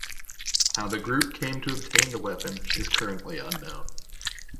How the group came to obtain the weapon is currently unknown.